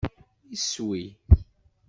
Iswi!